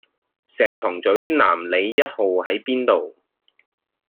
石塘嘴南里壹號喺邊度？